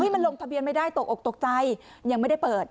มันลงทะเบียนไม่ได้ตกออกตกใจยังไม่ได้เปิด